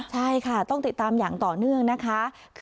ใช่ค่ะต้องติดตามอย่างต่อเนื่องนะคะ